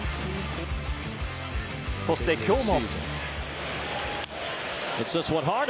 そして今日も。